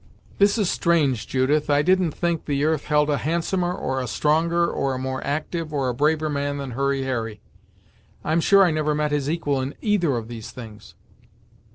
"This is strange, Judith! I didn't think the earth held a handsomer, or a stronger, or a more active or a braver man than Hurry Harry! I'm sure I never met his equal in either of these things."